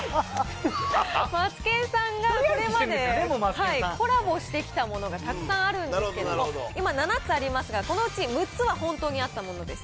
マツケンさんがこれまでコラボしてきたものがたくさんあるんですけども、今、７つありますが、このうち６つは本当にあったものです。